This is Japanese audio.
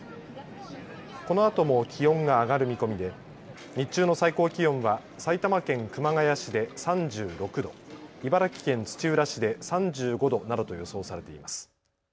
このあとも気温が上がる見込みで日中の最高気温は埼玉県熊谷市で３６度、茨城県土浦市で３５度などと予想されています。